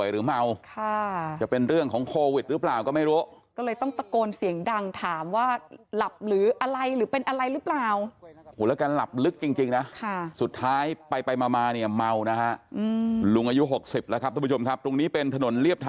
ลุงลุงเป็นฟื้อม่วงหรือว่าเป็นฟื้อฮะ